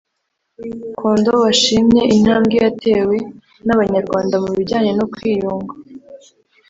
Kondo washimye intambwe yatewe n’Abanyarwanda mu bijyanye no kwiyunga